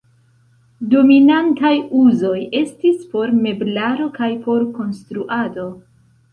Dominantaj uzoj estis por meblaro kaj por konstruado.